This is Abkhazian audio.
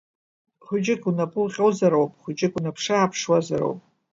Хәыҷык унапы уҟьозар ауп, хәыҷык унаԥш-ааԥшуазар ауп.